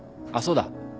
あっそうだ。